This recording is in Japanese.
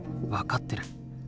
分かってる。